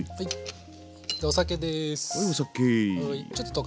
お酒です。